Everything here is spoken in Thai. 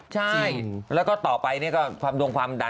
ใช่แล้วก็ต่อไปเนี่ยก็ความดวงความดัน